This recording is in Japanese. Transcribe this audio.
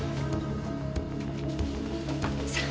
さあ！